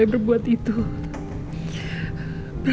hai tersenyum gak ya